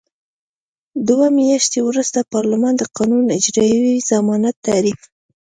دوه میاشتې وروسته پارلمان د قانون اجرايوي ضمانت تعریف.